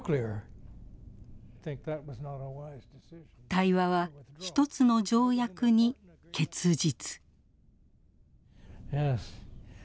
対話は１つの条約に結実。